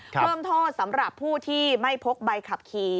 เพิ่มโทษสำหรับผู้ที่ไม่พกใบขับขี่